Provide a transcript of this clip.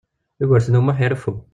Yugurten U Muḥ ireffu.